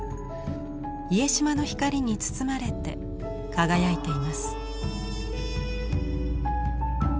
家島の光に包まれて輝いています。